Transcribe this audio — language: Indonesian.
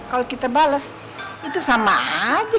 kalau kita bales itu sama aja